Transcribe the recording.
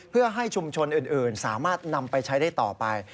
เพื่อให้ชุมชนอื่นสามารถนำไปใช้ได้ต่อไป